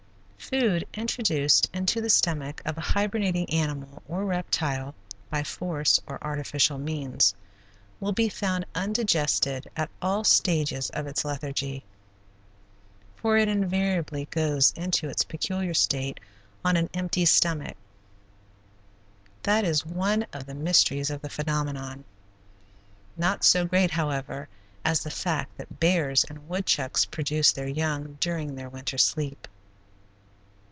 Food introduced into the stomach of a hibernating animal, or reptile, by force or artificial means, will be found undigested at all stages of its lethargy, for it invariably goes into its peculiar state on an empty stomach. That is one of the mysteries of the phenomenon, not so great, however, as the fact that bears and woodchucks produce their young during their winter sleep.